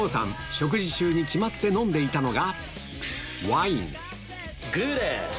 食事中に決まって飲んでいたのがグです！